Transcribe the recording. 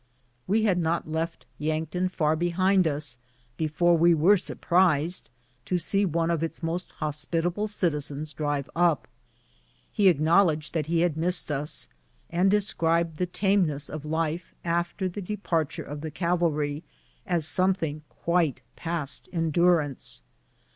We had not left Yankton far behind us before we were surprised to see one of its most hospitable citizens drive up ; he acknowledged that he had missed us, and described the tameness of life after the departure of the cavalry as something quite past endurance.